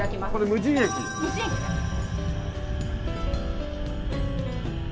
無人駅です。